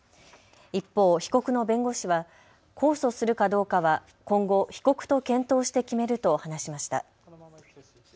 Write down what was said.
一方、被告の弁護士は控訴するかどうかは今後、被告と検討して決めると話しました。